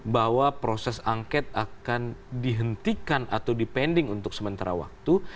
bahwa proses angket akan dihentikan atau dipending untuk sementara waktu